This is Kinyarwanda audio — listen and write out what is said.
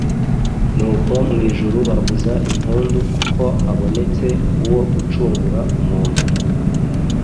Nuko mwijuru bavuza impundu kuko habonetse uwo gucungura umuntu